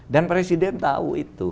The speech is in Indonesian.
dan presiden tahu itu